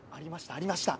ありました！